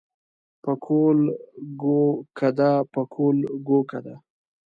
پکول ګو کده پکول ګو کده.